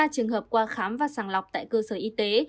ba mươi ba trường hợp qua khám và sàng lọc tại cơ sở y tế